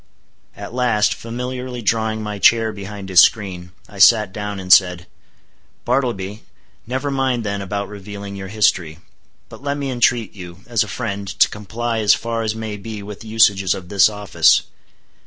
At last, familiarly drawing my chair behind his screen, I sat down and said: "Bartleby, never mind then about revealing your history; but let me entreat you, as a friend, to comply as far as may be with the usages of this office.